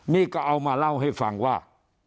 นี่ก็เอามาเล่าให้ฟังว่า